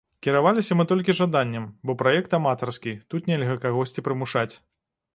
Кіраваліся мы толькі жаданнем, бо праект аматарскі, тут нельга кагосьці прымушаць.